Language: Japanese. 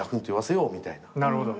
なるほど。